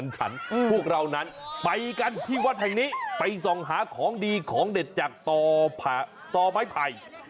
พวกเรานั้นไปกันที่วัดแห่งนี้ไปส่องหาของดีของเด็ดจากต่อไม้ไผ่